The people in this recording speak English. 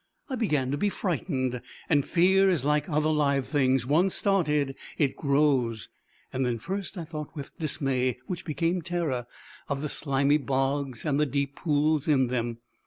I began to be frightened, and fear is like other live things: once started, it grows. Then first I thought with dismay, which became terror, of the slimy bogs and the deep pools in them.